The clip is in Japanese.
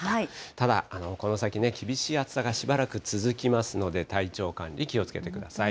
ただ、この先ね、厳しい暑さがしばらく続きますので、体調管理、気をつけてください。